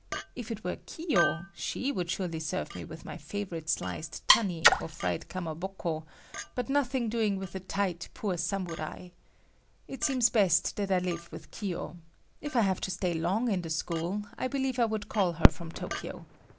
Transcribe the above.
If it were Kiyo she would surely serve me with my favorite sliced tunny or fried kamaboko, but nothing doing with a tight, poor samurai. It seems best that I live with Kiyo. If I have to stay long in the school, I believe I would call her from Tokyo.